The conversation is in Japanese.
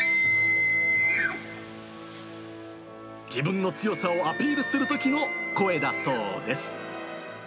自分の強さをアピールするときの声だそうです。